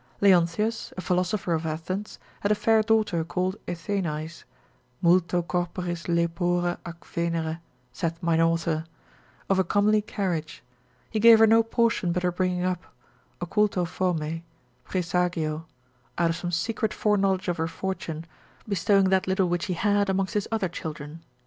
Leontius, a philosopher of Athens, had a fair daughter called Athenais, multo corporis lepore ac Venere, (saith mine author) of a comely carriage, he gave her no portion but her bringing up, occulto formae, praesagio, out of some secret foreknowledge of her fortune, bestowing that little which he had amongst his other children.